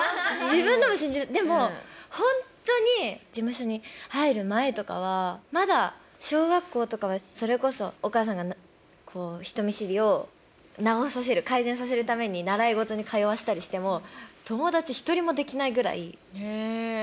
自分でも信じられないでもホントに事務所に入る前とかはまだ小学校とかはそれこそお母さんが人見知りを直させる改善させるために習い事に通わせたりしても友達１人もできないぐらいえ